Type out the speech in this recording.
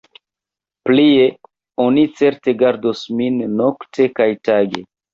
Plie, oni certe gardos min nokte kaj tage.